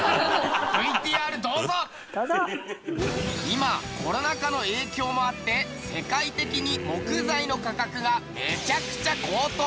今コロナ禍の影響もあって世界的に木材の価格がめちゃくちゃ高騰！